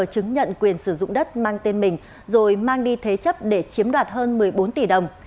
chứng nhận quyền sử dụng đất mang tên mình rồi mang đi thế chấp để chiếm đoạt hơn một mươi bốn tỷ đồng